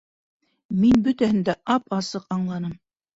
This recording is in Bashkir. Мин бөтәһен дә ап-асыҡ аңланым.